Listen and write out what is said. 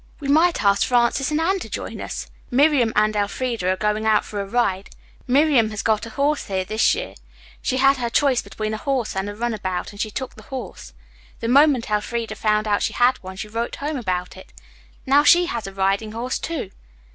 We might ask Frances and Anne to join us. Miriam and Elfreda are going out for a ride. Miriam has a horse here this year. She had her choice between a horse and a runabout and she took the horse. The moment Elfreda found out she had one, she wrote home about it. Now she has a riding horse, too."